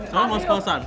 karena mau sekolah san